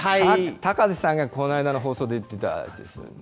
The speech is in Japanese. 高瀬さんがこの間の放送で言ってたやつです。